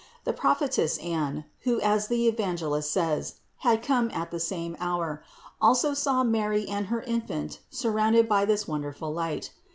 The prophetess Anne, who, as the Evangelist says, had come at the same hour, also saw Mary and her Infant surrounded by this wonderful light.